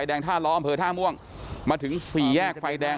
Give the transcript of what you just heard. จนกระทั่งหลานชายที่ชื่อสิทธิชัยมั่นคงอายุ๒๙เนี่ยลูกชายของพี่สาวเนี่ยรู้ว่าแม่กลับบ้าน